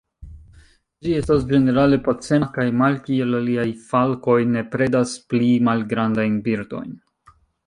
Ĝi estas ĝenerale pacema kaj malkiel aliaj falkoj ne predas pli malgrandajn birdojn.